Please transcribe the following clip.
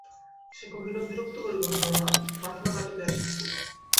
সে কহিল, বিরক্ত করিব কেন মা, বাটনা বাটিতে আসিয়াছি।